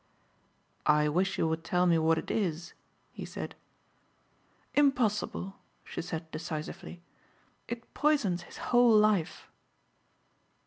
"I wish you would tell me what it is," he said. "Impossible," she said decisively. "It poisons his whole life."